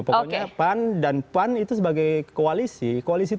pokoknya pan dan pan itu sebagai koalisi koalisi itu bukan yes man ya